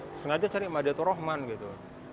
di tempat yang ada turahman gitu